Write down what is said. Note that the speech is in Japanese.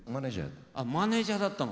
あっマネージャーだったの。